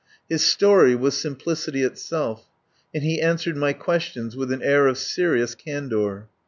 His story was simplicity itself, and he answered my questions with an air of serious candour.